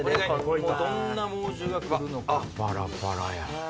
どんな猛獣が来るのか。